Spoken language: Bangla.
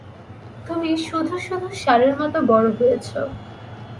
তুমি শুধু-শুধু ষাঁড়ের মতো বড় হয়েছ।